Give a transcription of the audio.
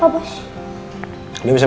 aku tunggu bentar